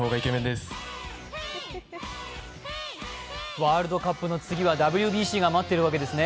ワールドカップの次はＷＢＣが待っているわけですね。